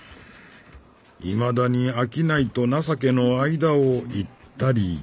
いまだに商いと情けの間を行ったり来たり」。